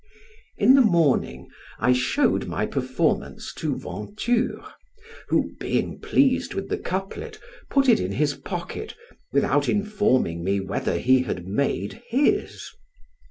In the morning I showed my performance to Venture, who, being pleased with the couplet, put it in his pocket, without informing me whether he had made his.